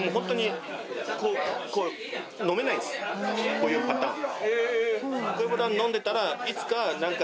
こういうパターン。